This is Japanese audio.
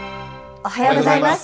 おはようございます。